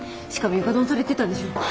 しかも床ドンされてたんでしょ。